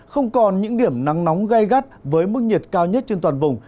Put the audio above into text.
không còn những điểm nắng nóng gây gắt với mức nhiệt cao nhất trên toàn vùng